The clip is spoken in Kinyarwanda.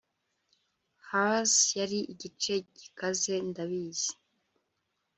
hers yari igice gikaze, ndabizi